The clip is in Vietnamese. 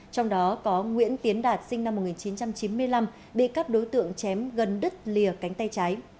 trong đó có nguyễn tiến đạt sinh năm một nghìn chín trăm chín mươi năm bị các đối tượng chém gần đứt lìa cánh tay trái